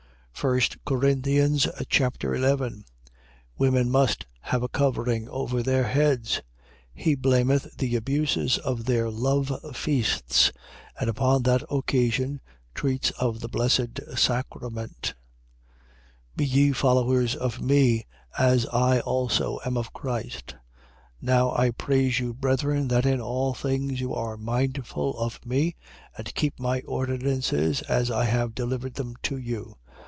1 Corinthians Chapter 11 Women must have a covering over their heads. He blameth the abuses of their love feasts and upon that occasion treats of the Blessed Sacrament. 11:1. Be ye followers of me, as I also am of Christ. 11:2. Now I praise you, brethren, that in all things you are mindful of me and keep my ordinances as I have delivered them to you.